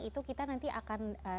itu kita nanti akan